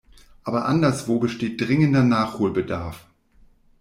Aber anderswo besteht dringender Nachholbedarf.